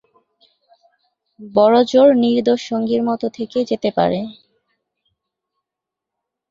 বড় জোড় নির্দোষ সঙ্গীর মত থেকে যেতে পারে।